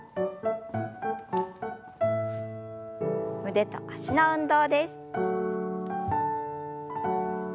腕と脚の運動です。